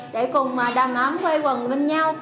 để cùng đàm ấm quê quần bên nhau